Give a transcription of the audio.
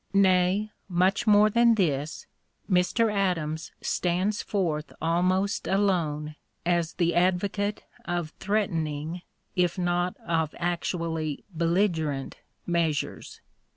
Nay, much more than this, Mr. Adams stands forth almost alone as the advocate of threatening if not of actually belligerent measures.